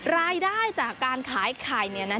รายได้จากการขายไข่เนี่ยนะ